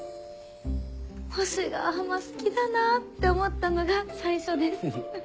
「星ヶ浜好きだな」って思ったのが最初です。